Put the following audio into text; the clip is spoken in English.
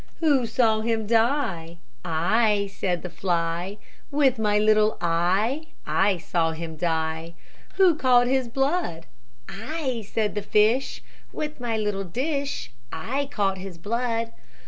Who saw him die? "I," said the fly, "With my little eye, I saw him die." Who caught his blood? "I," said the fish, "With my little dish, I caught his blood."